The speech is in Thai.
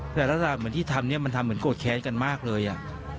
แต่ลักษณะเหมือนที่ทำเนี่ยมันทำเหมือนโกรธแค้นกันมากเลยอ่ะ